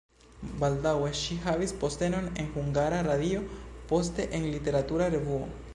Baldaŭe ŝi havis postenon en Hungara Radio, poste en literatura revuo.